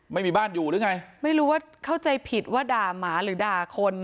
ไม่มีบ้านอยู่หรือไงไม่รู้ว่าเข้าใจผิดว่าด่าหมาหรือด่าคน